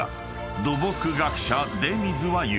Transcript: ［土木学者出水は言う］